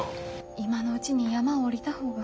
今のうちに山を下りた方が。